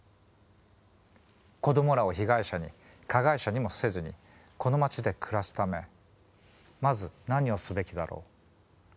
「子供らを被害者に加害者にもせずにこの街で暮らすためまず何をすべきだろう？